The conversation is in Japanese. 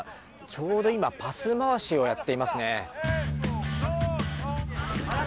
ちょうど今、パス回しをやっていますね。